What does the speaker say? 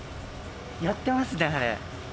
やってますね、あれ。